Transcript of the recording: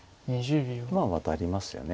まあワタりますよね普通。